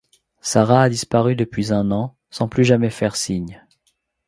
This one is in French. Sarah a disparu depuis un an, sans plus jamais faire signe.